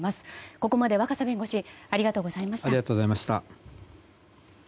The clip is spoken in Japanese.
ここまで若狭弁護士ありがとうございました。